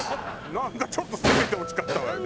なんかちょっと攻めてほしかったわよね。